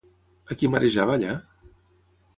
A qui marejava allà?